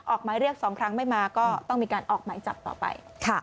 ออกหมายเรียก๒ครั้งไม่มาก็ต้องมีการออกหมายจับต่อไป